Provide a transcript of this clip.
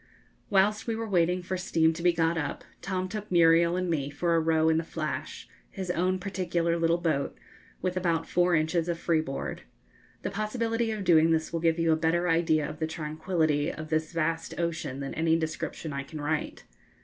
Whilst we were waiting for steam to be got up, Tom took Muriel and me for a row in the 'Flash,' his own particular little boat, with about four inches of freeboard. The possibility of doing this will give you a better idea of the tranquillity of this vast ocean than any description I can write.